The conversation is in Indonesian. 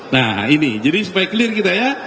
nah ini jadi supaya clear kita ya